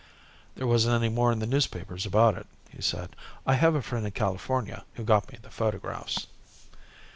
"There wasn't any more in the newspapers about it," he said. "I have a friend in California who got me the photographs."